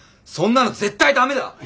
そんなの絶対ダメだ！